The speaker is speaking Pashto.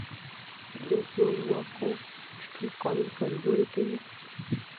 د زورواکو شتون قانون کمزوری کوي.